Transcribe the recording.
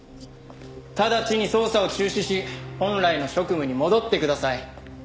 直ちに捜査を中止し本来の職務に戻ってください。